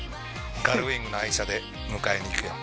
ガルウィングの愛車で迎えに行くよ。